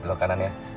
belok kanan ya